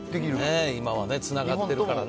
今はつながってるからね。